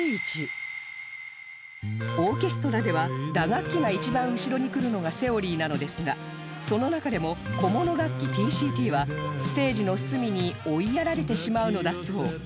オーケストラでは打楽器が一番後ろにくるのがセオリーなのですがその中でも小物楽器 ＴＣＴ はステージの隅に追いやられてしまうのだそう